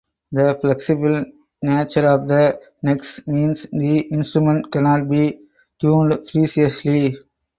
The flexible nature of the necks means the instrument cannot be tuned precisely.